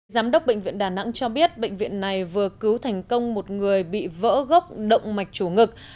giám đốc bệnh viện đà nẵng cho biết bệnh viện này vừa cứu thành công một người bị vỡ gốc động mạch chủ ngực